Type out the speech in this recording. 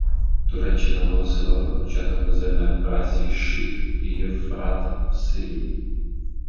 Туреччина оголосила про початок наземної операції «Щит Євфрата» в Сирії.